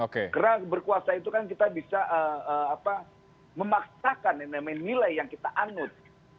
karena berkuasa itu kan kita bisa memaksakan nilai nilai yang kita anut